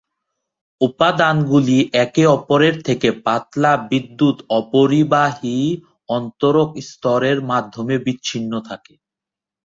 উপাদানগুলি একে অপরের থেকে পাতলা বিদ্যুৎ-অপরিবাহী অন্তরক স্তরের মাধ্যমে বিচ্ছিন্ন থাকে।